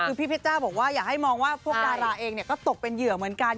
คือพี่เพชจ้าบอกว่าอยากให้มองว่าพวกดาราเองก็ตกเป็นเหยื่อเหมือนกัน